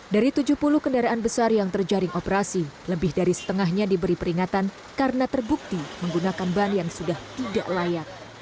dari tujuh puluh kendaraan besar yang terjaring operasi lebih dari setengahnya diberi peringatan karena terbukti menggunakan ban yang sudah tidak layak